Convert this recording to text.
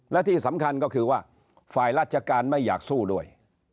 และที่สำคัญก็คือว่าฝ่ายราชการไม่อยากสู้ด้วย